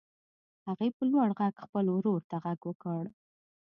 هغې په لوړ غږ خپل ورور ته غږ وکړ.